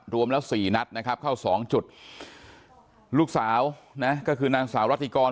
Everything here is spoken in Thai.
รวมแล้วสี่นัดนะครับเข้าสองจุดลูกสาวนะก็คือนางสาวรัติกร